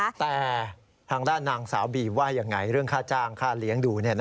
แต่ทางด้านนางสาวบีว่ายังไงเรื่องค่าจ้างค่าเลี้ยงดู